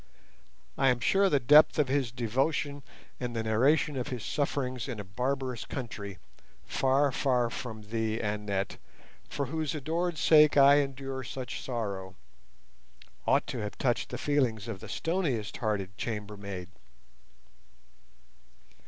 I am sure the depth of his devotion and the narration of his sufferings in a barbarous country, "far, far from thee, Annette, for whose adored sake I endure such sorrow," ought to have touched the feelings of the stoniest hearted chambermaid.